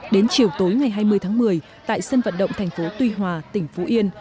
đến chiều tối ngày hai mươi tháng một mươi tại sân vận động thành phố tuy hòa tỉnh phú yên